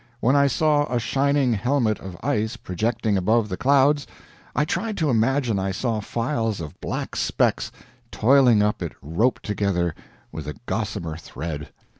When I saw a shining helmet of ice projecting above the clouds, I tried to imagine I saw files of black specks toiling up it roped together with a gossamer thread.